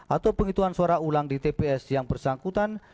atau penghitungan suara ulang di tps yang bersangkutan